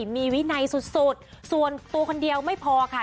มีวินัยสุดส่วนตัวคนเดียวไม่พอค่ะ